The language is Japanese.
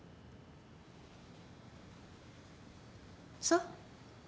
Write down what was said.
そう。